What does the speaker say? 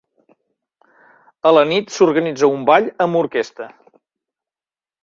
A la nit s'organitza un ball amb orquestra.